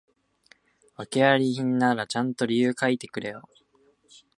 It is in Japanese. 訳あり品ならちゃんと理由書いてくれよ